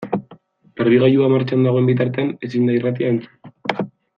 Garbigailua martxan dagoen bitartean ezin da irratia entzun.